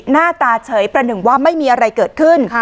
หน้าตาเฉยประหนึ่งว่าไม่มีอะไรเกิดขึ้น